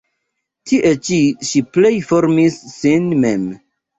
Tie ĉi ŝi plej formis sin mem.